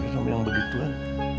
sama yang begitu kan